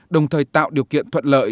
đồng thời tạo điều kiện thuận lợi